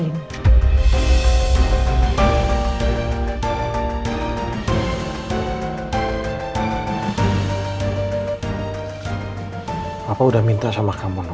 papa udah minta sama kamu no